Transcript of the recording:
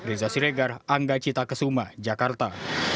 reza siregar angga cita kesuma jakarta